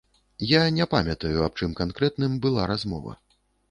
Я не памятаю, аб чым канкрэтным была размова.